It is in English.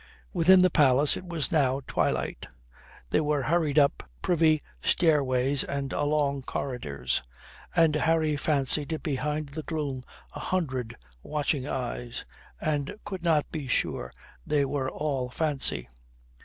Within the palace it was now twilight. They were hurried up privy stairways and along corridors, and Harry fancied behind the gloom a hundred watching eyes, and could not be sure they were only fancy.